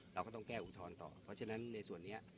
เราก็ต้องแก้อุทธรณ์ต่อเพราะฉะนั้นในส่วนนี้